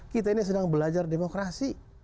kita ini sedang belajar demokrasi